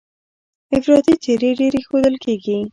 افراطي څېرې ډېرې ښودل کېږي.